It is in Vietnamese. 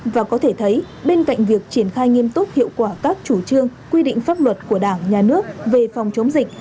và có thể thấy bên cạnh việc triển khai nghiêm túc hiệu quả các chủ trương quy định pháp luật của đảng nhà nước về phòng chống dịch